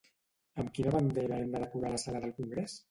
Amb quina bandera hem de decorar la sala del Congrés?